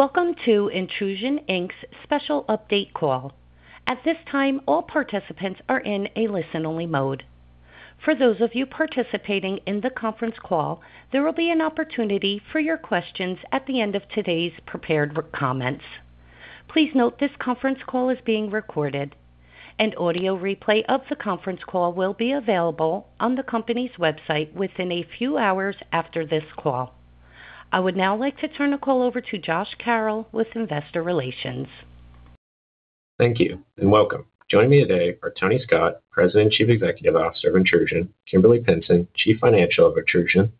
Welcome to Intrusion Inc's special update call. At this time, all participants are in a listen-only mode. For those of you participating in the conference call, there will be an opportunity for your questions at the end of today's prepared comments. Please note this conference call is being recorded. An audio replay of the conference call will be available on the company's website within a few hours after this call. I would now like to turn the call over to Josh Carroll with investor relations. Thank you, welcome. Joining me today are Tony Scott, President and Chief Executive Officer of Intrusion, Kimberly Pinson, Chief Financial of Intrusion,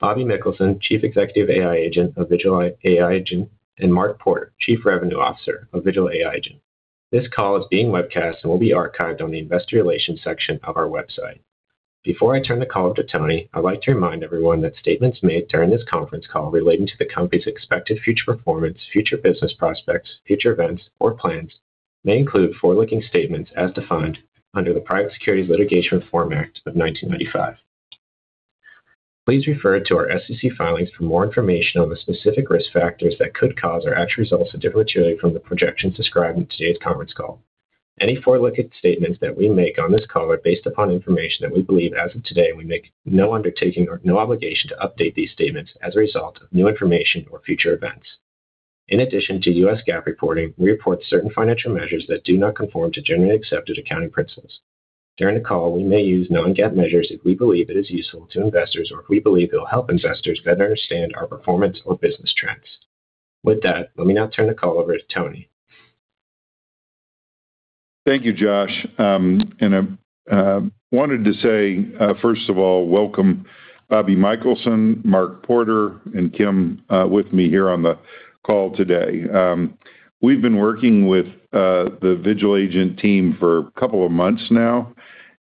Bobby Mikkelsen, Chief Executive Aigent of VigilAigent, and Mark Porter, Chief Revenue Officer of VigilAigent. This call is being webcast and will be archived on the investor relations section of our website. Before I turn the call over to Tony, I'd like to remind everyone that statements made during this conference call relating to the company's expected future performance, future business prospects, future events, or plans may include forward-looking statements as defined under the Private Securities Litigation Reform Act of 1995. Please refer to our SEC filings for more information on the specific risk factors that could cause our actual results to differ materially from the projections described in today's conference call. Any forward-looking statements that we make on this call are based upon information that we believe as of today. We make no undertaking or no obligation to update these statements as a result of new information or future events. In addition to U.S. GAAP reporting, we report certain financial measures that do not conform to generally accepted accounting principles. During the call, we may use non-GAAP measures if we believe it is useful to investors or if we believe it will help investors better understand our performance or business trends. With that, let me now turn the call over to Tony. Thank you, Josh. I wanted to say, first of all, welcome, Bobby Mikkelsen, Mark Porter, and Kim with me here on the call today. We've been working with the VigilAigent team for a couple of months now.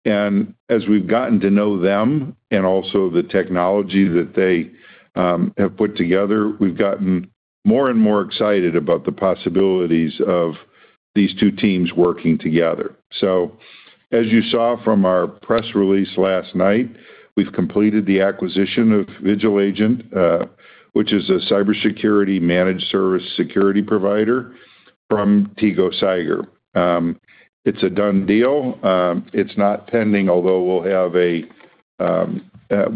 As we've gotten to know them and also the technology that they have put together, we've gotten more and more excited about the possibilities of these two teams working together. As you saw from our press release last night, we've completed the acquisition of VigilAigent, which is a cybersecurity managed service security provider from Tego Cyber. It's a done deal. It's not pending, although we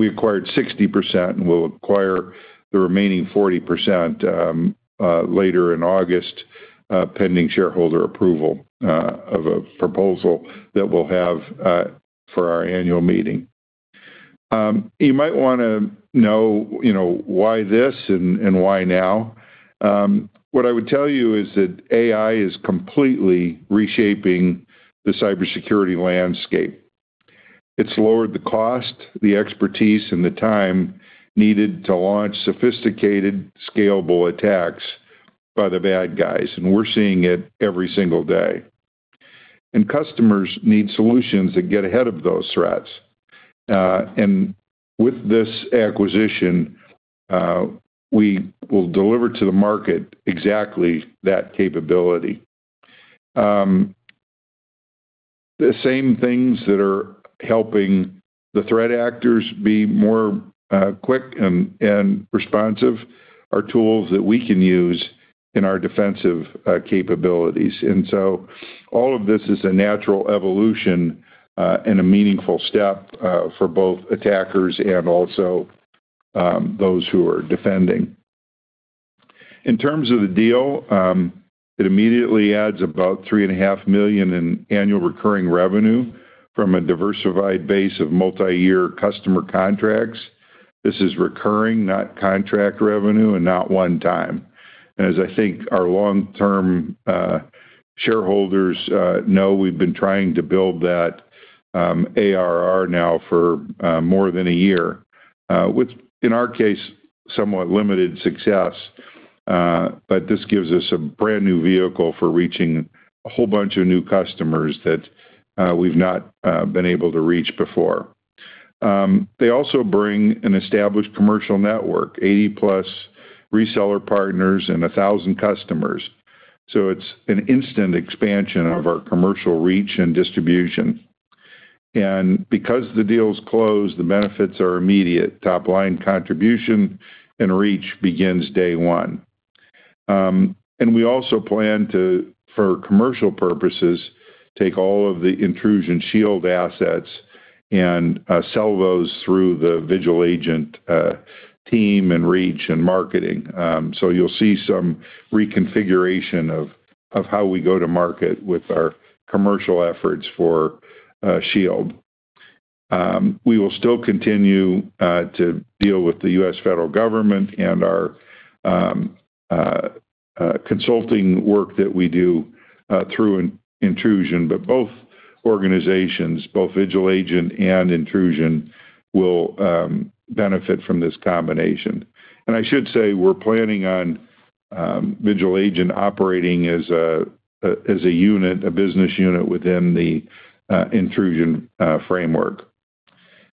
acquired 60% and we'll acquire the remaining 40% later in August, pending shareholder approval of a proposal that we'll have for our annual meeting. You might want to know why this. Why now. What I would tell you is that AI is completely reshaping the cybersecurity landscape. It's lowered the cost, the expertise, and the time needed to launch sophisticated, scalable attacks by the bad guys, and we're seeing it every single day. Customers need solutions that get ahead of those threats. With this acquisition, we will deliver to the market exactly that capability. The same things that are helping the threat actors be more quick and responsive are tools that we can use in our defensive capabilities. All of this is a natural evolution and a meaningful step for both attackers and also those who are defending. In terms of the deal, it immediately adds about $3.5 million in ARR from a diversified base of multi-year customer contracts. This is recurring, not contract revenue and not one time. As I think our long-term shareholders know, we've been trying to build that ARR now for more than a year, with, in our case, somewhat limited success. This gives us a brand new vehicle for reaching a whole bunch of new customers that we've not been able to reach before. They also bring an established commercial network, 80+ reseller partners and 1,000 customers. It's an instant expansion of our commercial reach and distribution. Because the deal is closed, the benefits are immediate. Top-line contribution and reach begins day one. We also plan to, for commercial purposes, take all of the Intrusion Shield assets and sell those through the VigilAigent team and reach and marketing. You'll see some reconfiguration of how we go to market with our commercial efforts for Shield. We will still continue to deal with the U.S. federal government and our consulting work that we do through Intrusion, but both organizations, both VigilAigent and Intrusion, will benefit from this combination. I should say, we're planning on VigilAigent operating as a unit, a business unit within the Intrusion framework.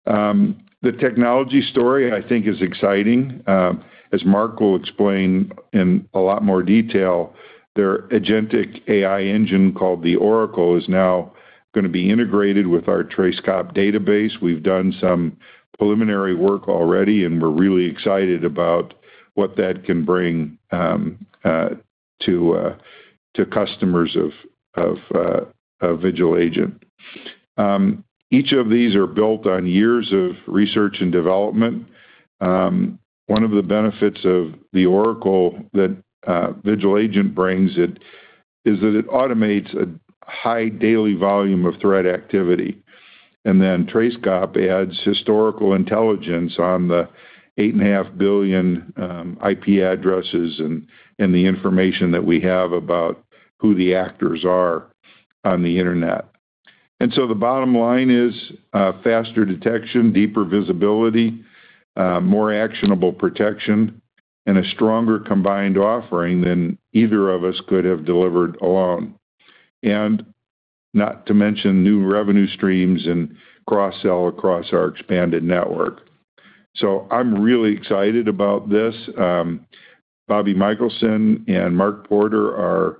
The technology story, I think, is exciting. As Mark will explain in a lot more detail, their agentic AI engine called The Oracle is now going to be integrated with our TraceCop database. We've done some preliminary work already, and we're really excited about what that can bring to customers of VigilAigent. Each of these are built on years of research and development. One of the benefits of The Oracle that VigilAigent brings is that it automates a high daily volume of threat activity. TraceCop adds historical intelligence on the 8.5 billion IP addresses and the information that we have about who the actors are on the internet. The bottom line is faster detection, deeper visibility, more actionable protection, and a stronger combined offering than either of us could have delivered alone. Not to mention new revenue streams and cross-sell across our expanded network. I'm really excited about this. Bobby Mikkelsen and Mark Porter are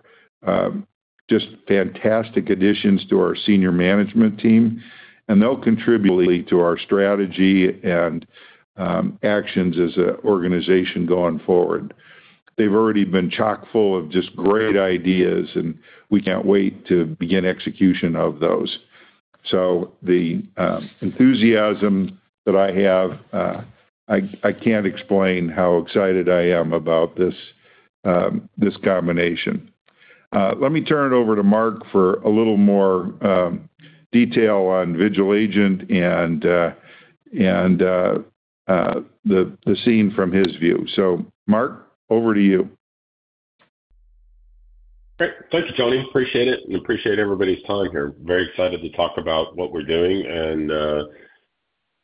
just fantastic additions to our senior management team, and they'll contribute to our strategy and actions as an organization going forward. They've already been chock-full of just great ideas, and we can't wait to begin execution of those. The enthusiasm that I have, I can't explain how excited I am about this combination. Let me turn it over to Mark for a little more detail on VigilAigent and the scene from his view. Mark, over to you. Great. Thank you, Tony. Appreciate it and appreciate everybody's time here. Very excited to talk about what we're doing and a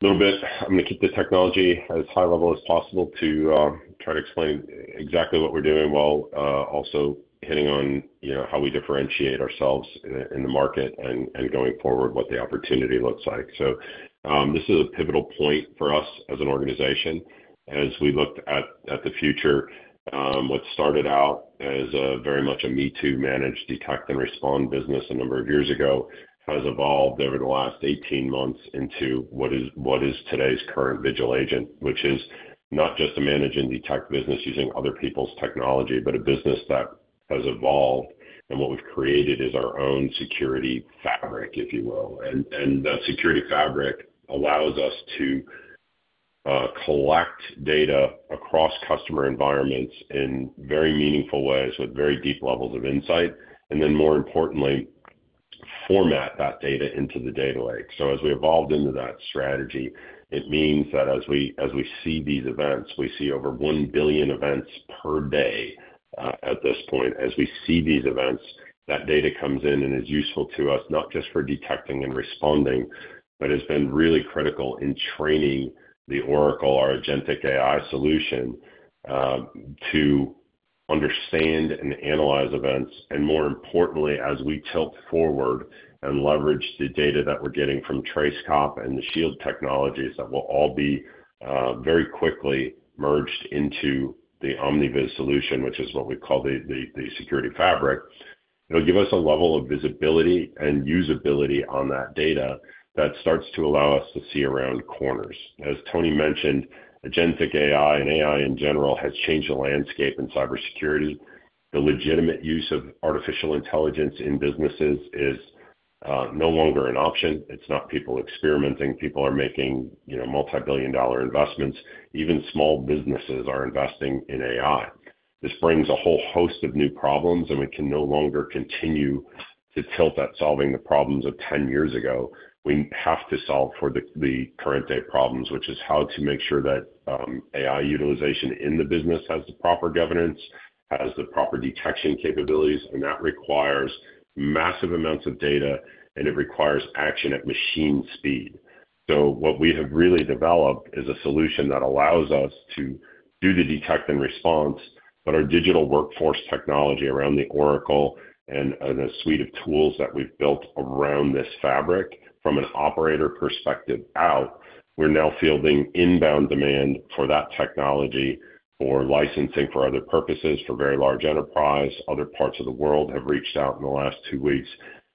little bit, I'm going to keep the technology as high level as possible to try to explain exactly what we're doing while also hitting on how we differentiate ourselves in the market and going forward, what the opportunity looks like. This is a pivotal point for us as an organization as we look at the future. What started out as very much a me-too manage, detect, and respond business a number of years ago has evolved over the last 18 months into what is today's current VigilAigent, which is not just a manage and detect business using other people's technology, but a business that has evolved, and what we've created is our own security fabric, if you will. That security fabric allows us to collect data across customer environments in very meaningful ways with very deep levels of insight, and then more importantly, format that data into the data lake. As we evolved into that strategy, it means that as we see these events, we see over 1 billion events per day at this point. As we see these events, that data comes in and is useful to us, not just for detecting and responding, but has been really critical in training The Oracle, our agentic AI solution, to understand and analyze events, and more importantly, as we tilt forward and leverage the data that we're getting from TraceCop and the Shield technologies that will all be very quickly merged into the OmniViz solution, which is what we call the security fabric. It'll give us a level of visibility and usability on that data that starts to allow us to see around corners. As Tony mentioned, agentic AI and AI in general has changed the landscape in cybersecurity. The legitimate use of artificial intelligence in businesses is no longer an option. It's not people experimenting. People are making multibillion-dollar investments. Even small businesses are investing in AI. This brings a whole host of new problems, and we can no longer continue to tilt at solving the problems of 10 years ago. We have to solve for the current-day problems, which is how to make sure that AI utilization in the business has the proper governance, has the proper detection capabilities, and that requires massive amounts of data, and it requires action at machine speed. What we have really developed is a solution that allows us to do the detect and response, but our digital workforce technology around The Oracle and the suite of tools that we've built around this fabric from an operator perspective out, we're now fielding inbound demand for that technology for licensing for other purposes, for very large enterprise. Other parts of the world have reached out in the last two weeks,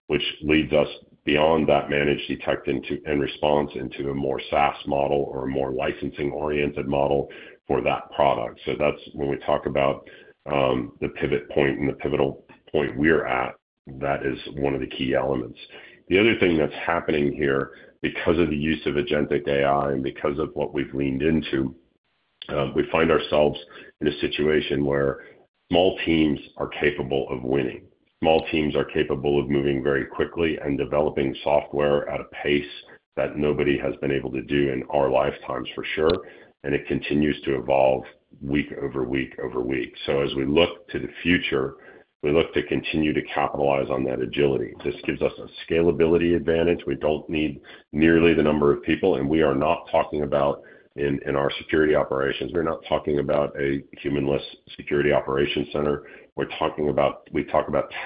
which leads us beyond that manage detect and response into a more SaaS model or a more licensing-oriented model for that product. That's when we talk about the pivot point and the pivotal point we're at, that is one of the key elements. The other thing that's happening here, because of the use of agentic AI and because of what we've leaned into, we find ourselves in a situation where small teams are capable of winning. Small teams are capable of moving very quickly and developing software at a pace that nobody has been able to do in our lifetimes, for sure, and it continues to evolve week over week over week. As we look to the future, we look to continue to capitalize on that agility. This gives us a scalability advantage. We don't need nearly the number of people, and we are not talking about in our security operations. We're not talking about a human-less security operations center. We talk about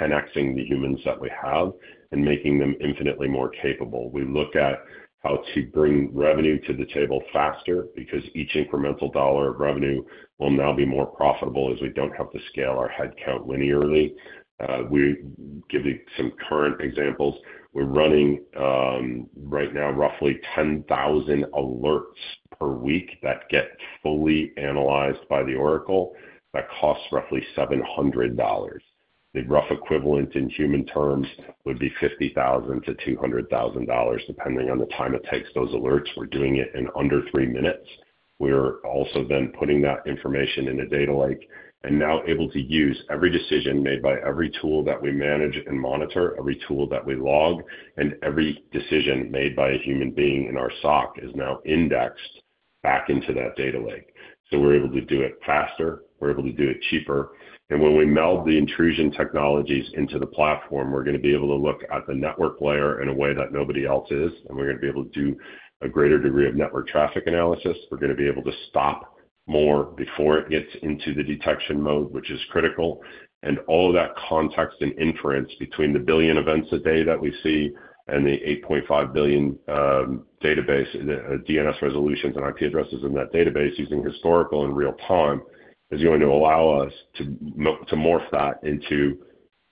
[10x-ing] the humans that we have and making them infinitely more capable. We look at how to bring revenue to the table faster because each incremental $1 of revenue will now be more profitable as we don't have to scale our headcount linearly. Giving some current examples, we're running right now roughly 10,000 alerts per week that get fully analyzed by The Oracle. That costs roughly $700. The rough equivalent in human terms would be $50,000-$200,000, depending on the time it takes those alerts. We're doing it in under three minutes. We're also putting that information in a data lake and now able to use every decision made by every tool that we manage and monitor, every tool that we log, and every decision made by a human being in our SOC is now indexed back into that data lake. We're able to do it faster, we're able to do it cheaper, and when we meld the Intrusion technologies into the platform, we're going to be able to look at the network layer in a way that nobody else is, and we're going to be able to do a greater degree of network traffic analysis. We're going to be able to stop more before it gets into the detection mode, which is critical. All of that context and inference between the a billion events a day that we see and the 8.5 billion database DNS resolutions and IP addresses in that database using historical and real-time, is going to allow us to morph that into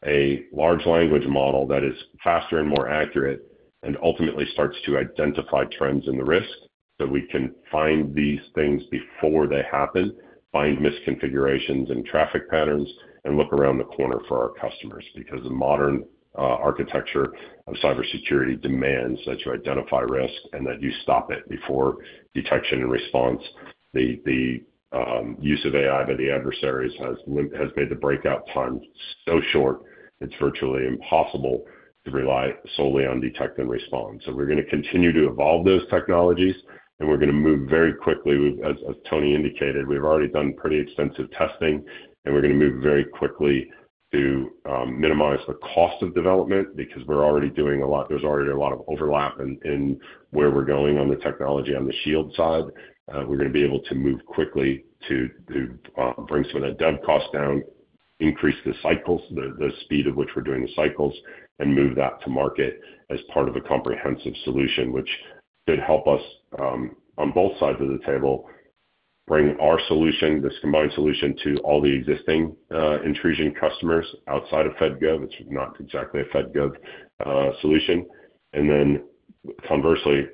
a large language model that is faster and more accurate, and ultimately starts to identify trends in the risk so we can find these things before they happen, find misconfigurations and traffic patterns, and look around the corner for our customers. Because the modern architecture of cybersecurity demands that you identify risk and that you stop it before detection and response. The use of AI by the adversaries has made the breakout time so short, it's virtually impossible to rely solely on detect and respond. We're going to continue to evolve those technologies, and we're going to move very quickly. As Tony indicated, we've already done pretty extensive testing, and we're going to move very quickly to minimize the cost of development, because there's already a lot of overlap in where we're going on the technology on the Shield side. We're going to be able to move quickly to bring some of that dev cost down, increase the cycles, the speed of which we're doing the cycles, and move that to market as part of a comprehensive solution. Which should help us, on both sides of the table, bring our solution, this combined solution, to all the existing Intrusion customers outside of FedGov. It's not exactly a FedGov solution. Conversely,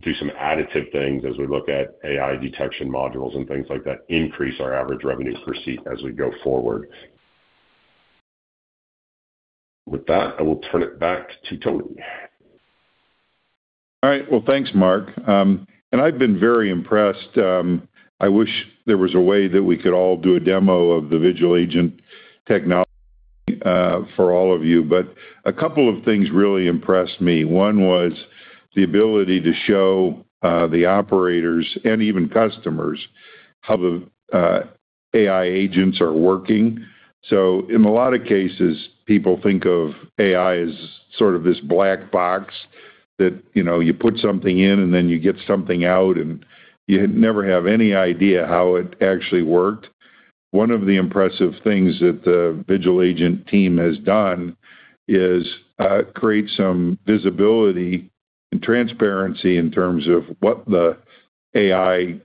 do some additive things as we look at AI detection modules and things like that, increase our average revenue per seat as we go forward. With that, I will turn it back to Tony. All right. Well, thanks, Mark. I've been very impressed. I wish there was a way that we could all do a demo of the VigilAigent technology for all of you, but a couple of things really impressed me. One was the ability to show the operators and even customers how the Aigents are working. In a lot of cases, people think of AI as sort of this black box that you put something in and then you get something out, and you never have any idea how it actually worked. One of the impressive things that the VigilAigent team has done is create some visibility and transparency in terms of what the AI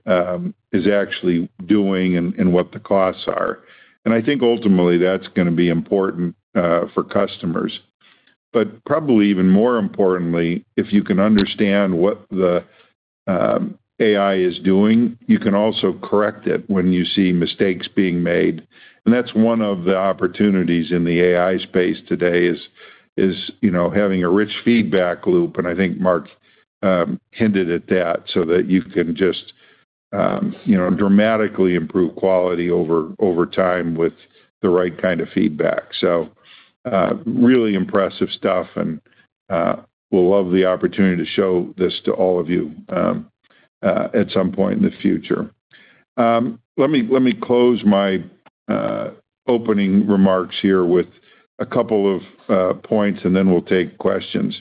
is actually doing and what the costs are. I think ultimately that's going to be important for customers. Probably even more importantly, if you can understand what the AI is doing, you can also correct it when you see mistakes being made. That's one of the opportunities in the AI space today is having a rich feedback loop, and I think Mark hinted at that, so that you can just dramatically improve quality over time with the right kind of feedback. Really impressive stuff, and we'll love the opportunity to show this to all of you at some point in the future. Let me close my opening remarks here with a couple of points. We'll take questions.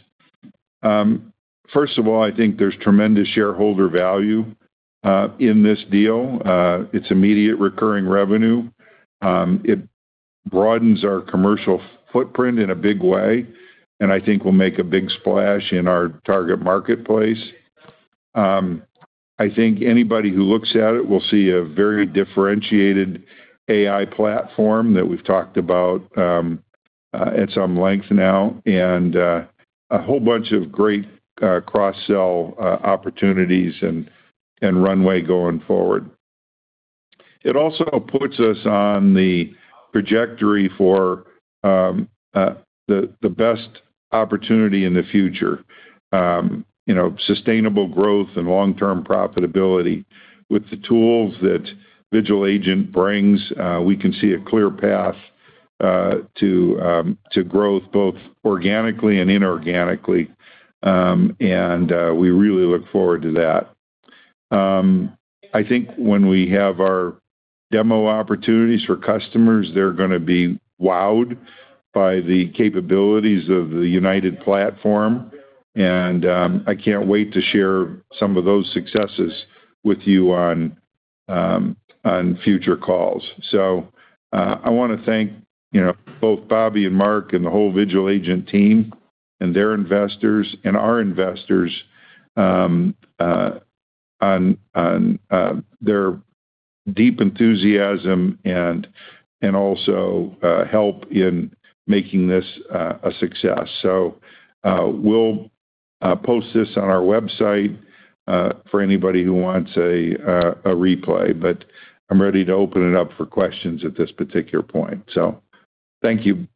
First of all, I think there's tremendous shareholder value in this deal. It's immediate recurring revenue. It broadens our commercial footprint in a big way, and I think we'll make a big splash in our target marketplace. I think anybody who looks at it will see a very differentiated AI platform that we've talked about at some length now, and a whole bunch of great cross-sell opportunities and runway going forward. It also puts us on the trajectory for the best opportunity in the future. Sustainable growth and long-term profitability. With the tools that VigilAigent brings, we can see a clear path to growth, both organically and inorganically, and we really look forward to that. I think when we have our demo opportunities for customers, they're going to be wowed by the capabilities of the United Platform, and I can't wait to share some of those successes with you on future calls. I want to thank both Bobby and Mark and the whole VigilAigent team and their investors and our investors on their deep enthusiasm and also help in making this a success. We'll post this on our website for anybody who wants a replay, but I'm ready to open it up for questions at this particular point. Thank you.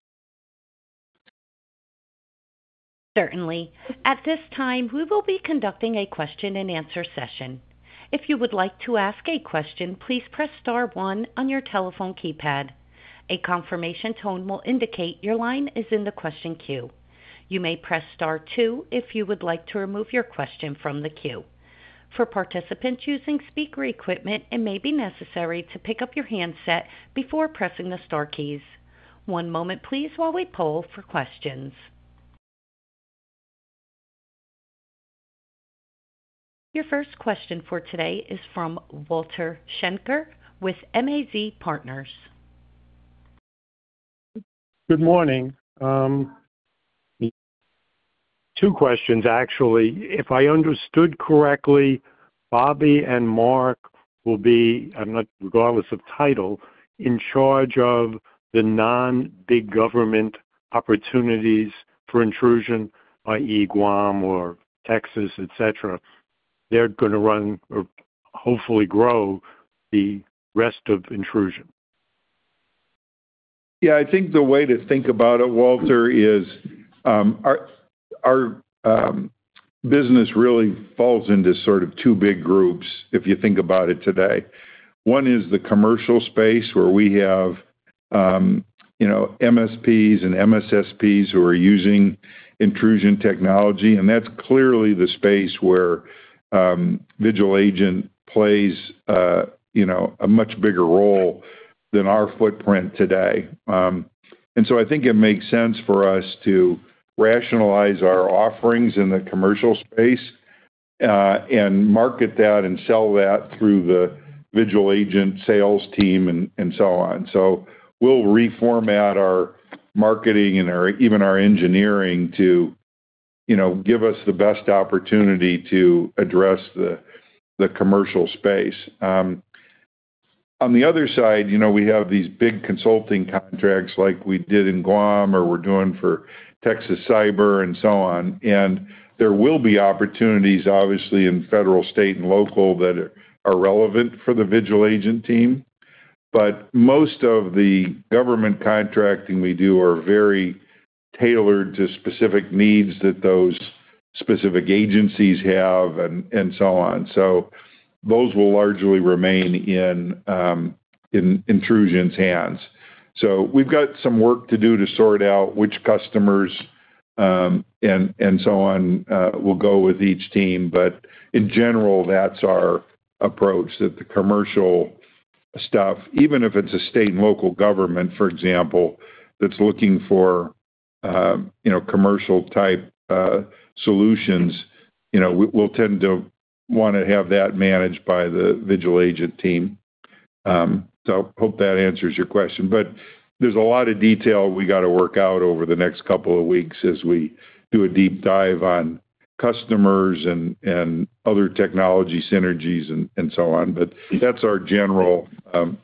Certainly. At this time, we will be conducting a question-and-answer session. If you would like to ask a question, please press star one on your telephone keypad. A confirmation tone will indicate your line is in the question queue. You may press star two if you would like to remove your question from the queue. For participants using speaker equipment, it may be necessary to pick up your handset before pressing the star keys. One moment please while we poll for questions. Your first question for today is from Walter Schenker with MAZ Partners. Good morning. Two questions, actually. If I understood correctly, Bobby and Mark will be, regardless of title, in charge of the non-big government opportunities for Intrusion, i.e., Guam or Texas, etc. They're going to run or hopefully grow the rest of Intrusion. I think the way to think about it, Walter, is our business really falls into sort of two big groups, if you think about it today. One is the commercial space, where we have MSPs and MSSPs who are using Intrusion technology, and that's clearly the space where VigilAigent plays a much bigger role than our footprint today. I think it makes sense for us to rationalize our offerings in the commercial space, and market that and sell that through the VigilAigent sales team and so on. We'll reformat our marketing and even our engineering to give us the best opportunity to address the commercial space. On the other side, we have these big consulting contracts like we did in Guam or we're doing for Texas Cyber and so on, and there will be opportunities, obviously, in federal, state, and local that are relevant for the VigilAigent team. Most of the government contracting we do are very tailored to specific needs that those specific agencies have and so on. Those will largely remain in Intrusion's hands. We've got some work to do to sort out which customers and so on will go with each team. In general, that's our approach, that the commercial stuff, even if it's a state and local government, for example, that's looking for commercial-type solutions, we'll tend to want to have that managed by the VigilAigent team. I hope that answers your question. There's a lot of detail we got to work out over the next couple of weeks as we do a deep dive on customers and other technology synergies and so on. That's our general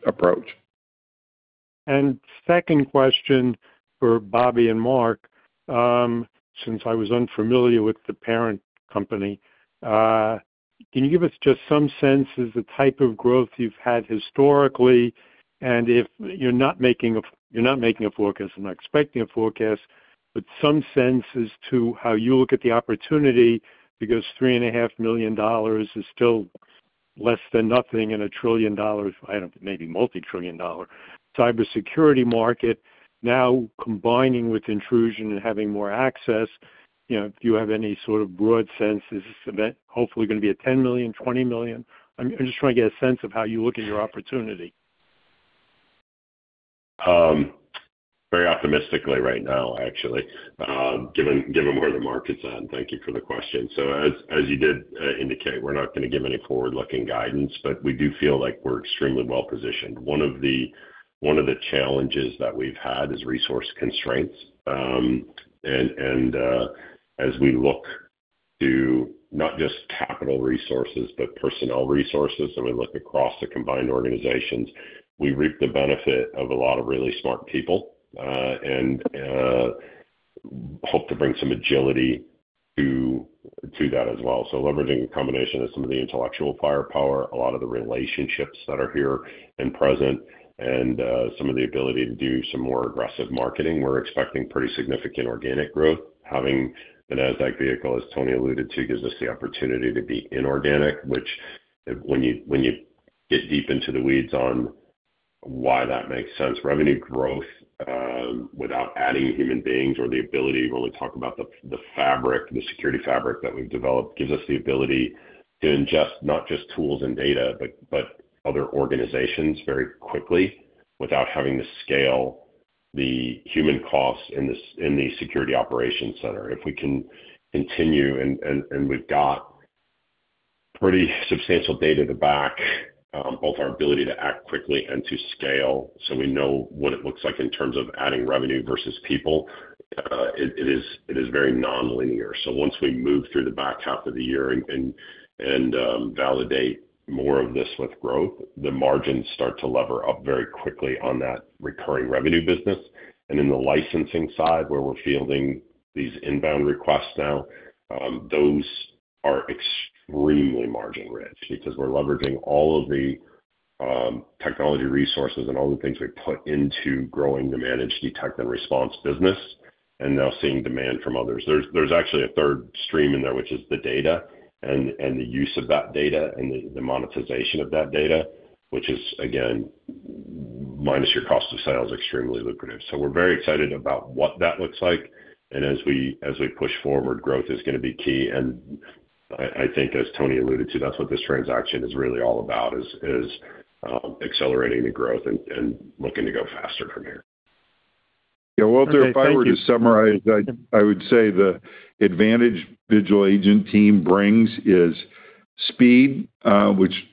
approach. Second question for Bobby and Mark, since I was unfamiliar with the parent company, can you give us just some sense of the type of growth you've had historically, and if you're not making a forecast, I'm not expecting a forecast, but some sense as to how you look at the opportunity, because $3.5 million is still less than nothing in a $1 trillion, I don't know, maybe multi-trillion dollar, cybersecurity market. Now combining with Intrusion and having more access, do you have any sort of broad sense? Is this event hopefully going to be a $10 million, $20 million? I'm just trying to get a sense of how you look at your opportunity. Very optimistically right now, actually, given where the market's at, and thank you for the question. As you did indicate, we're not going to give any forward-looking guidance, but we do feel like we're extremely well-positioned. One of the challenges that we've had is resource constraints. As we look to not just capital resources, but personnel resources, and we look across the combined organizations, we reap the benefit of a lot of really smart people, and hope to bring some agility to that as well. Leveraging a combination of some of the intellectual firepower, a lot of the relationships that are here and present, and some of the ability to do some more aggressive marketing, we're expecting pretty significant organic growth. Having the Nasdaq vehicle, as Tony alluded to, gives us the opportunity to be inorganic, which when you get deep into the weeds on why that makes sense, revenue growth without adding human beings or the ability, we're only talking about the security fabric that we've developed, gives us the ability to ingest not just tools and data, but other organizations very quickly without having to scale the human costs in the Security Operations Center. If we can continue, and we've got pretty substantial data to back both our ability to act quickly and to scale, so we know what it looks like in terms of adding revenue versus people. It is very nonlinear. Once we move through the back half of the year and validate more of this with growth, the margins start to lever up very quickly on that recurring revenue business. In the licensing side, where we're fielding these inbound requests now, those are extremely margin-rich, because we're leveraging all of the technology resources and all the things we put into growing the managed detect and response business, and now seeing demand from others. There's actually a third stream in there, which is the data and the use of that data and the monetization of that data, which is, again, minus your cost of sales, extremely lucrative. We're very excited about what that looks like. As we push forward, growth is going to be key. I think as Tony alluded to, that's what this transaction is really all about, is accelerating the growth and looking to go faster from here. Yeah, Walter, if I were to summarize, I would say the advantage VigilAigent team brings is speed, which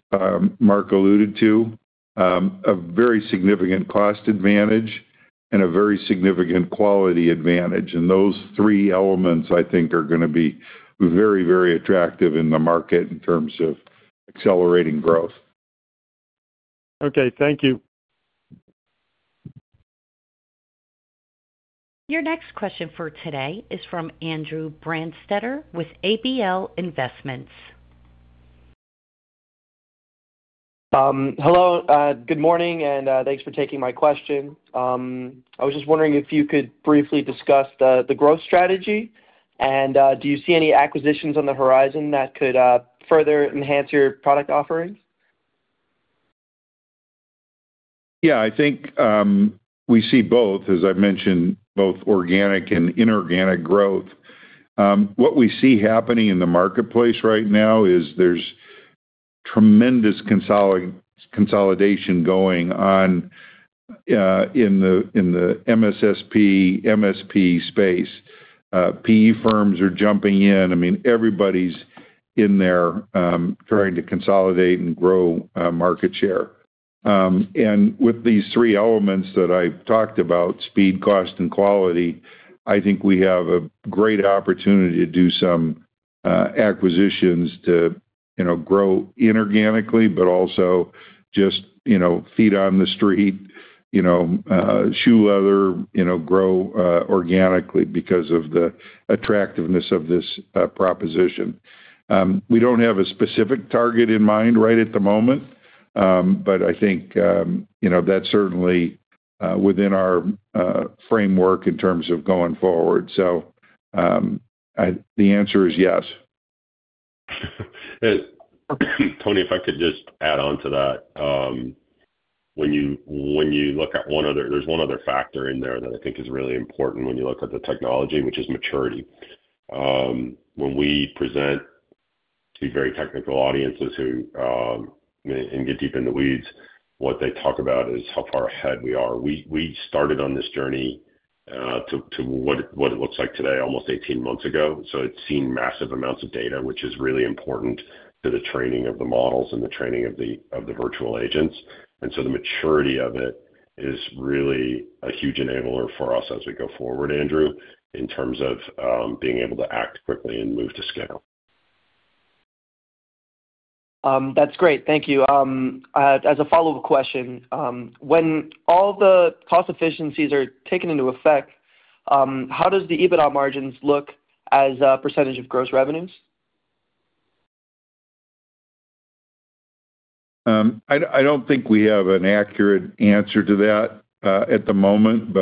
Mark alluded to, a very significant cost advantage, and a very significant quality advantage. Those three elements, I think, are going to be very, very attractive in the market in terms of accelerating growth. Okay, thank you. Your next question for today is from [Andrew Branstetter] with ABL Investments. Hello, good morning, thanks for taking my question. I was just wondering if you could briefly discuss the growth strategy, do you see any acquisitions on the horizon that could further enhance your product offerings? Yeah, I think we see both, as I've mentioned, both organic and inorganic growth. What we see happening in the marketplace right now is there's tremendous consolidation going on in the MSSP, MSP space. PE firms are jumping in. Everybody's in there trying to consolidate and grow market share. With these three elements that I've talked about, speed, cost, and quality, I think we have a great opportunity to do some acquisitions to grow inorganically, but also just feet on the street, shoe leather, grow organically because of the attractiveness of this proposition. We don't have a specific target in mind right at the moment, but I think that's certainly within our framework in terms of going forward. The answer is yes. Tony, if I could just add on to that. There's one other factor in there that I think is really important when you look at the technology, which is maturity. When we present to very technical audiences and get deep in the weeds, what they talk about is how far ahead we are. We started on this journey, to what it looks like today, almost 18 months ago. It's seen massive amounts of data, which is really important to the training of the models and the training of the virtual agents. The maturity of it is really a huge enabler for us as we go forward, Andrew, in terms of being able to act quickly and move to scale. That's great. Thank you. As a follow-up question, when all the cost efficiencies are taken into effect, how does the EBITDA margins look as a percentage of gross revenues? I don't think we have an accurate answer to that at the moment.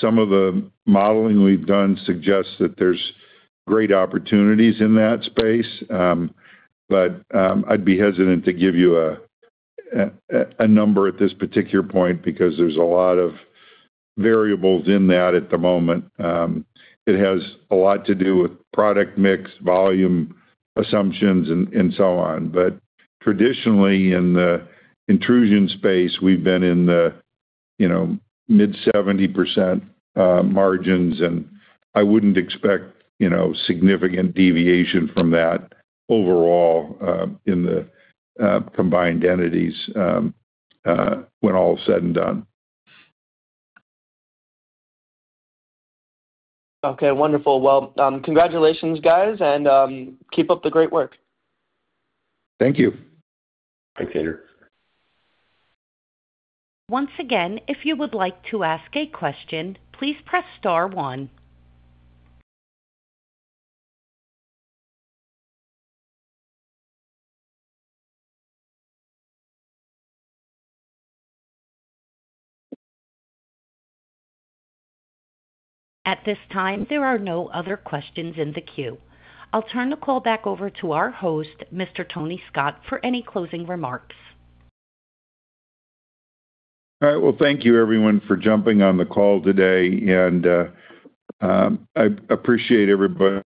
Some of the modeling we've done suggests that there's great opportunities in that space. I'd be hesitant to give you a number at this particular point because there's a lot of variables in that at the moment. It has a lot to do with product mix, volume assumptions, and so on. Traditionally in the Intrusion space, we've been in the mid-70% margins, I wouldn't expect significant deviation from that overall in the combined entities when all is said and done. Okay, wonderful. Well, congratulations, guys, keep up the great work. Thank you. Thanks, Andrew. Once again, if you would like to ask a question, please press star one. At this time, there are no other questions in the queue. I'll turn the call back over to our host, Mr. Tony Scott, for any closing remarks. All right. Well, thank you everyone for jumping on the call today, and I appreciate everybody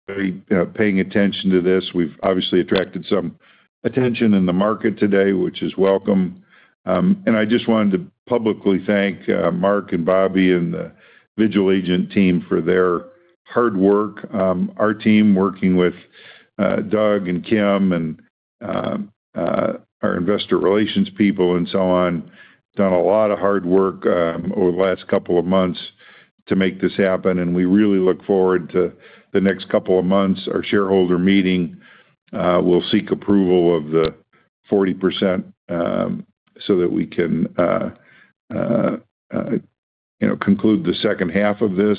paying attention to this. We've obviously attracted some attention in the market today, which is welcome. I just wanted to publicly thank Mark and Bobby and the VigilAigent team for their hard work. Our team, working with Doug and Kim and our investor relations people and so on, done a lot of hard work over the last couple of months to make this happen, and we really look forward to the next couple of months. Our shareholder meeting will seek approval of the 40% so that we can conclude the second half of this.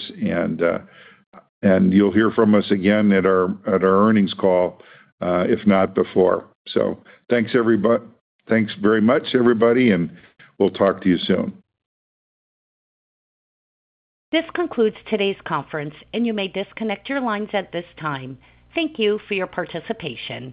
You'll hear from us again at our earnings call, if not before. Thanks very much, everybody, and we'll talk to you soon. This concludes today's conference, and you may disconnect your lines at this time. Thank you for your participation.